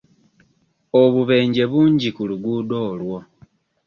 Obubeje bungi ku luguudo olwo.